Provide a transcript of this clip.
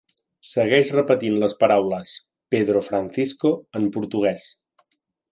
segueix repetint les paraules "Pedro Francisco" en portuguès.